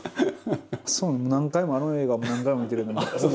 何回もあの映画何回も見てるんで。